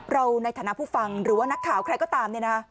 ในฐานะผู้ฟังหรือว่านักข่าวใครก็ตาม